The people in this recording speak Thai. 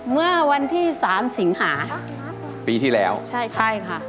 เมื่อวันที่สามสิงหาปีที่แล้วใช่ใช่ค่ะ